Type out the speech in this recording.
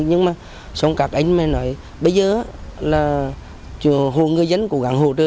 nhưng mà xong các anh mới nói bây giờ là hồ người dân cố gắng hỗ trợ